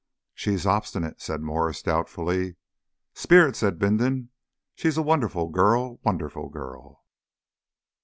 "She's obstinate," said Mwres doubtfully. "Spirit!" said Bindon. "She's a wonderful girl a wonderful girl!"